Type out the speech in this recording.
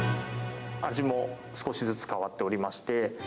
味も少しずつ変わっておりま